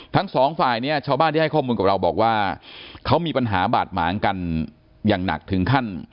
ทั้งสองฝ่ายเนี่ยชาวบ้านที่ให้ข้อมูลกับเราบอกว่าเขามีปัญหาบาดหมางกันอย่างหนักถึงขั้น